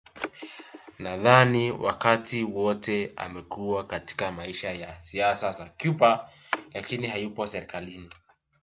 Nadhani wakati wote amekuwa katika maisha ya siasa za Cuba lakini hayupo serikalini